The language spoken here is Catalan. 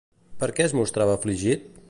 Per què es mostrava afligit?